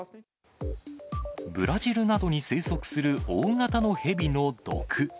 ブラジルなどに生息する大型のヘビの毒。